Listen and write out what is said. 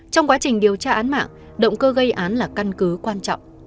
trong quá trình điều tra án mạng động cơ gây án là căn cứ quan trọng